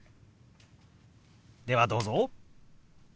ではどうぞ。